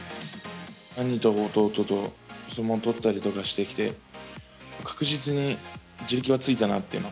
兄と弟と、相撲を取ったりとかしてきて、確実に地力はついたなと。